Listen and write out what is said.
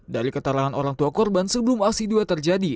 dari keterangan orang tua korban sebelum aksi dua terjadi